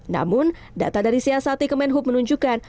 namun data dari siasat ikemen hub menunjukkan